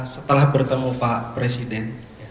setelah bertemu pak presiden